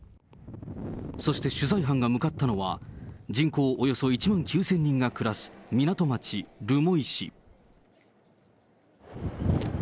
そして取材班が向かったのは、人口およそ１万９０００人が暮らす港町、留萌市。